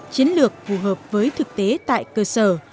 chiến lược phù hợp với thực tế tại cơ sở